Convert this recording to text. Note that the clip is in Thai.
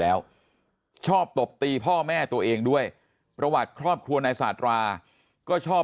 แล้วชอบตบตีพ่อแม่ตัวเองด้วยประวัติครอบครัวนายสาธาราก็ชอบ